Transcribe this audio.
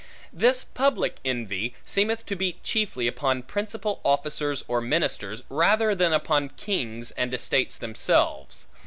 This public envy, seemeth to beat chiefly upon principal officers or ministers, rather than upon kings, and estates themselves.